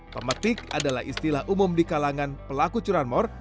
pemetik adalah istilah umum di kalangan pelaku curanmor